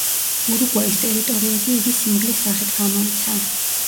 ურუგვაის ტერიტორიაზე იგი სინგლის სახით გამოიცა.